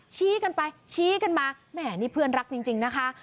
ชี้กันไปชี้กันมาแหมนี่เพื่อนรักจริงนะคะ